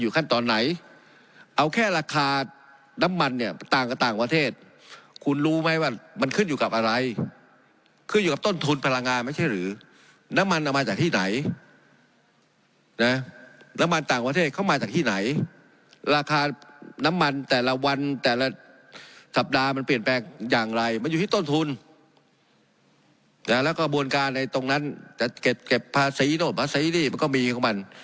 อนุมัติอนุมัติอนุมัติอนุมัติอนุมัติอนุมัติอนุมัติอนุมัติอนุมัติอนุมัติอนุมัติอนุมัติอนุมัติอนุมัติอนุมัติอนุมัติอนุมัติอนุมัติอนุมัติอนุมัติอนุมัติอนุมัติอนุมัติอนุมัติอนุมัติอนุมัติอนุมัติอนุมัติอนุมัติอนุมัติอนุมัติอนุมัติ